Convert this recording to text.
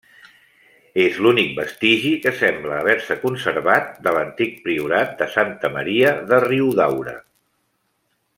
És l'únic vestigi que sembla haver-se conservat de l'antic priorat de Santa Maria de Riudaura.